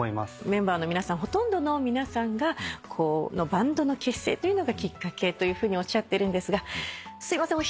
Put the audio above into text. メンバーのほとんどの皆さんがバンドの結成というのがきっかけというふうにおっしゃってるんですがすいません